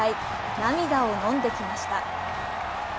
涙をのんできました。